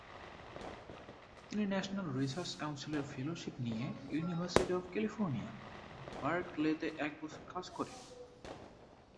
তিনি national research কাউন্সিলের fellowship নিয়ে ইউনিভার্সিটি অব ক্যালিফোর্নিয়া, বার্কলেতে এক বছর কাজ করেন।